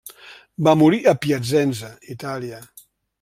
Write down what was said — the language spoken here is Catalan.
Va morir a Piacenza, Itàlia.